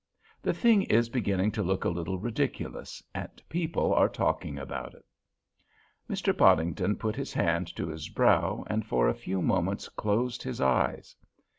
The thing is beginning to look a little ridiculous, and people are talking about it." Mr. Podington put his hand to his brow and for a few moments closed his eyes.